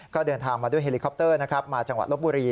ก็เดินทางมาด้วยเฮลิคอปเตอร์นะครับมาจังหวัดลบบุรี